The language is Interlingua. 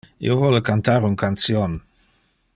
Io vole cantar un cantion.